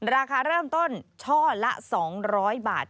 ราคาเริ่มต้นช่อละ๒๐๐บาท